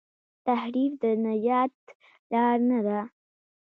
تحریف د نجات لار نه ده.